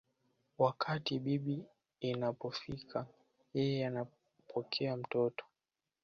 Wakati bibi inapofika yeye anapokea mtoto